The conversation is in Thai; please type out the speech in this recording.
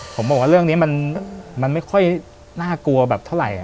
ผมบอกว่าเรื่องนี้มันไม่ค่อยน่ากลัวแบบเท่าไหร่